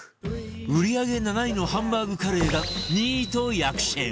売り上げ７位のハンバーグカレーが２位と躍進！